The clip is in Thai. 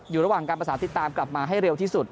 อยู่ระหว่างการประสานติดตามกลับมาให้เร็วที่สุด